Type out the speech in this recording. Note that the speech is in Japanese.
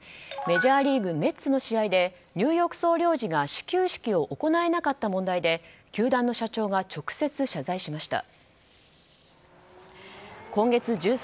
メジャーリーグメッツの試合でニューヨーク総領事が始球式を行えなかった問題で球団の社長が直接謝罪しました。